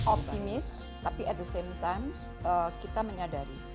optimis tapi at the same time kita menyadari